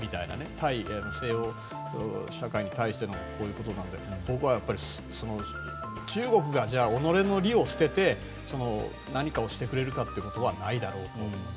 対西欧社会に対してのみたいなことなので僕はやっぱり中国が己の利を捨てて何かをしてくれるかということはないだろうと。